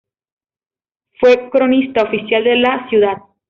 Fue Cronista Oficial de la Ciudad.